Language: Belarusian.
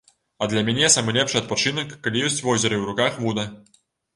А для мяне самы лепшы адпачынак, калі ёсць возера і ў руках вуда.